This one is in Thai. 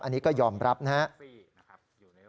อันนี้ก็ยอมรับนะครับ